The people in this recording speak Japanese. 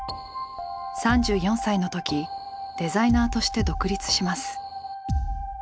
３４歳の時デザイナーとして独立します。